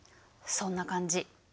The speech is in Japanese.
そんな感じ。